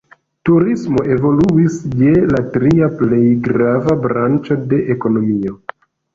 Turismo evoluis je la tria plej grava branĉo de ekonomio.